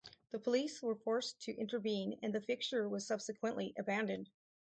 The police were forced to intervene and the fixture was subsequently abandoned.